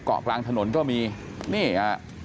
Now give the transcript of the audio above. เกาะกลางถนนก็มีนี่ฮะ